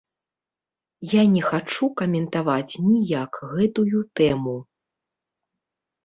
Я не хачу каментаваць ніяк гэтую тэму.